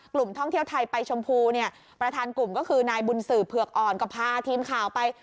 ท่องเที่ยวไทยไปชมพูเนี่ยประธานกลุ่มก็คือนายบุญสื่อเผือกอ่อนก็พาทีมข่าวไป